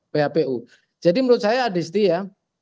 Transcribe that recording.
phpu jadi menurut saya adisti ya